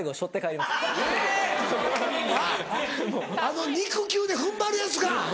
あの肉球で踏ん張るやつか。